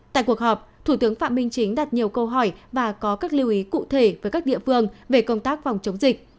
tại cuộc họp thủ tướng phạm minh chính đặt nhiều câu hỏi và có các lưu ý cụ thể với các địa phương về công tác phòng chống dịch